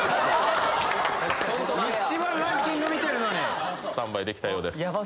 一番ランキング見てるのにスタンバイできたようですヤバ